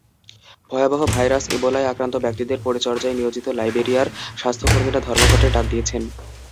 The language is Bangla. ভয়াবহ ভাইরাস ইবোলায় আক্রান্ত ব্যক্তিদের পরিচর্যায় নিয়োজিত লাইবেরিয়ার স্বাস্থ্যকর্মীরা ধর্মঘটের ডাক দিয়েছেন।